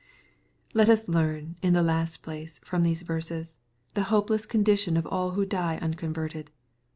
Let us learn, in the last place, from these verses, the hopeless condition ofatl who die unconverted.